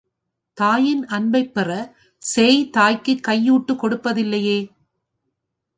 தாயின் அன்பைப் பெறச் சேய் தாய்க்குக் கையூட்டு கொடுப்பதில்லையே!